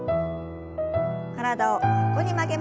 体を横に曲げます。